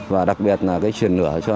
và đặc biệt là cái truyền lửa cho anh